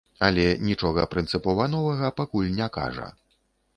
Але нічога прынцыпова новага пакуль не кажа.